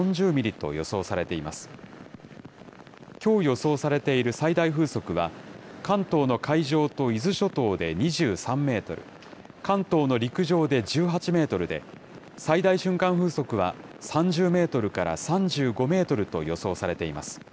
きょう予想されている最大風速は、関東の海上と伊豆諸島で２３メートル、関東の陸上で１８メートルで、最大瞬間風速は３０メートルから３５メートルと予想されています。